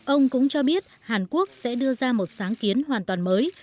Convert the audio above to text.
ông cũng cho biết hàn quốc sẽ đưa ra một sáng kiến hoàn toàn mới